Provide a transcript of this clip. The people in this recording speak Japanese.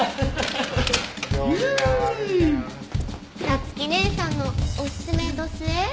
早月姉さんのおすすめどすえ。